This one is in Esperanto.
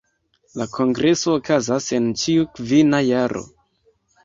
La kongreso okazas en ĉiu kvina jaro.